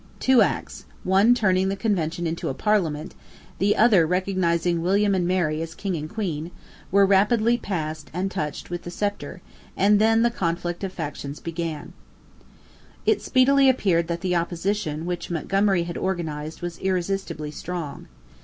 Two Acts, one turning the Convention into a Parliament, the other recognising William and Mary as King and Queen, were rapidly passed and touched with the sceptre; and then the conflict of factions began, It speedily appeared that the opposition which Montgomery had organized was irresistibly strong.